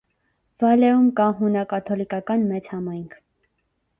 Վալեում կա հունակաթոլիկական մեծ համայնք։